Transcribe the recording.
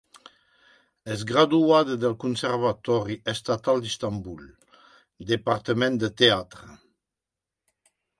És graduada del Conservatori Estatal d'Istanbul, departament de teatre.